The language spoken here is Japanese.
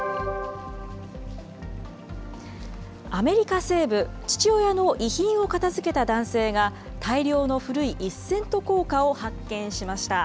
アメリカ西部、父親の遺品を片づけた男性が、大量の古い１セント硬貨を発見しました。